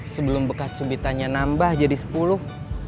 sebelum bekas subitannya nambah jadi sepuluh